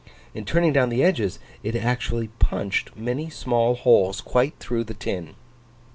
In turning down the edges, it actually punched many small holes quite through the tin!